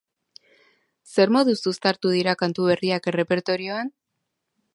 Zer moduz uztartu dira kantu berriak errepertorioan?